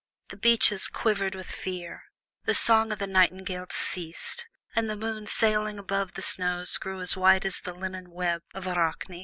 The beeches quivered with fear, the song of the nightingales ceased, and the moon sailing above the snows grew as white as the linen web of Arachne.